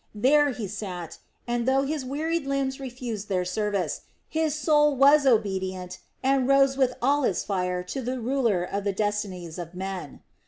There he sat and though his wearied limbs refused their service, his soul was obedient and rose with all its fire to the Ruler of the destinies of men.